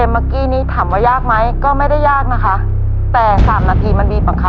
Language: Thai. หัวหนึ่งหัวหนึ่ง